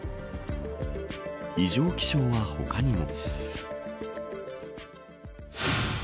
異常気象は他にも。